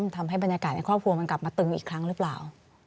ทำให้บรรยากาศในครอบครัวมันกลับมาตึงอีกครั้งหรือเปล่า